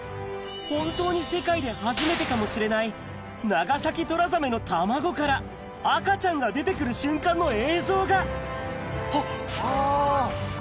本当に世界で初めてかもしれないナガサキトラザメの卵から赤ちゃんが出て来る瞬間の映像があぁ。